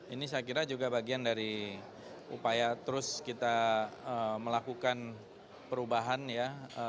ini saya kira juga bagian dari upaya terus kita melakukan perubahan ya